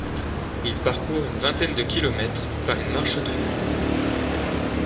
Ils parcourent une vingtaine de kilomètres, par une marche de nuit.